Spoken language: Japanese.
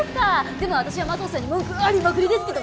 でも私は麻藤さんに文句ありまくりですけど！